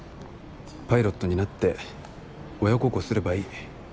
パイロットになって親孝行すればいい。